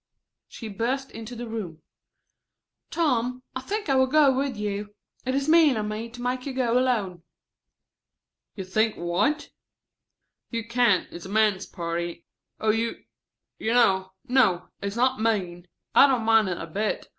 She burst into the room. "Tom, I think I will go with you. It is mean of me to make you go alone." "You think what? You can't, it's a men's party. Oh, you 'Y, no, it's not mean. I don't mind it a bit.